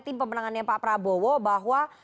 tim pemenangannya pak prabowo bahwa